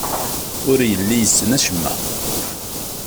Ur yelli yessen acemma.